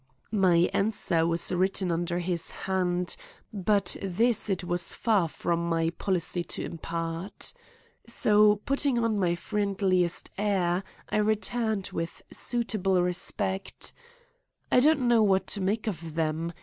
My answer was written under his hand; but this it was far from my policy to impart. So putting on my friendliest air, I returned, with suitable respect: "I don't know what to make of them.